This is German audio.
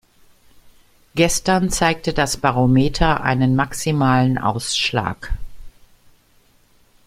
Gestern zeigte das Barometer einen maximalen Ausschlag.